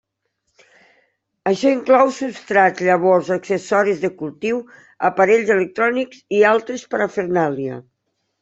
Això inclou substrats, llavors, accessoris de cultiu, aparells electrònics i altres parafernàlia.